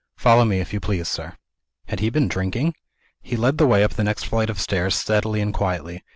Follow me, if you please, sir." Had he been drinking? He led the way up the next flight of stairs, steadily and quietly.